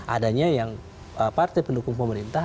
adanya yang partai pendukung pemerintah